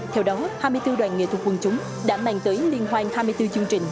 theo đó hai mươi bốn đoàn nghệ thuật quần chúng đã mang tới liên hoan hai mươi bốn chương trình